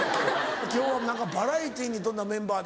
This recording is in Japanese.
今日は何かバラエティーに富んだメンバーで。